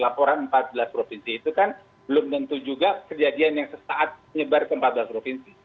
laporan empat belas provinsi itu kan belum tentu juga kejadian yang sesaat menyebar ke empat belas provinsi